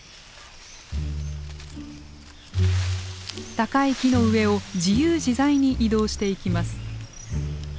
高い木の上を自由自在に移動していきます。